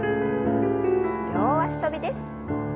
両脚跳びです。